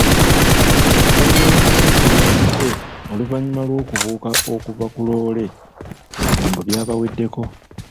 Famile y'omusajja eyafudde oluvannyuma lw'okubuuka okuva ku loole ebigambo byabaweddeko.